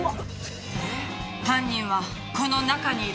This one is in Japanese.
犯人はこの中にいる。